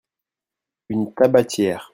une tabatière.